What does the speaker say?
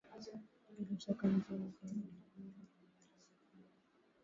bila shaka Mzee Bigambo alijua analolifanya